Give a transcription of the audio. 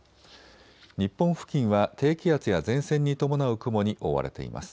日本付近は低気圧や前線に伴う雲に覆われています。